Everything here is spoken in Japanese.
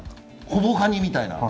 ほぼカニみたいな。